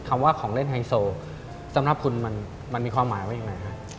คำว่าของเล่นไฮโซสำหรับคุณมันมีความหมายว่ายังไงฮะ